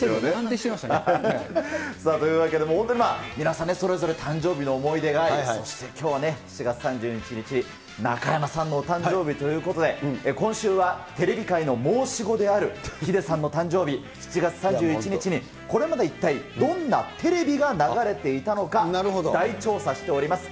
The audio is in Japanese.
さあ、というわけで本当に、皆さんね、それぞれ誕生日の思い出があり、そしてきょう７月３１日、中山さんのお誕生日ということで、今週はテレビ界の申し子であるヒデさんの誕生日、７月３１日に、これまで一体どんなテレビが流れていたのか、大調査しております。